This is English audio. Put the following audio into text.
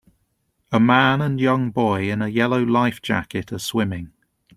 A man and young boy in a yellow life jacket are swimming.